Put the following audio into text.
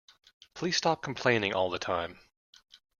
Please stop complaining all the time!